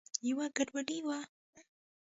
یوه ګډوډي وه.